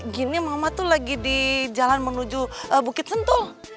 gini mama tuh lagi di jalan menuju bukit sentul